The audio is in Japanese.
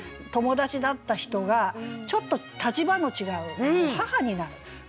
友達だった人がちょっと立場の違う母になる。